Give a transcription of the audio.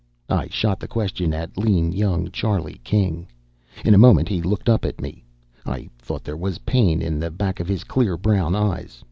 I shot the question at lean young Charlie King. In a moment he looked up at me; I thought there was pain in the back of his clear brown eyes.